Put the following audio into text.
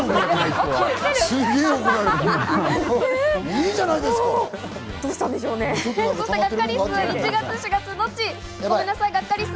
いいじゃないですか！